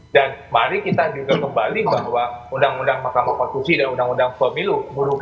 dan mari kita juga kembali bahwa undang undang mahkamah fakultusi dan undang undang pemilu